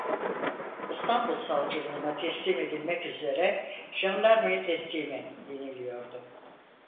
"İstanbul savcılığına teslim edilmek üzere jandarmaya teslimi" deniliyordu.